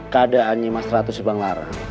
keadaannya mas ratu sibanglaram